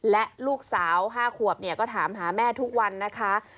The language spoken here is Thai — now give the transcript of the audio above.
และลูกสาว๕ขวบเนี่ยก็ถามหาแม่ทุกวันนะคะ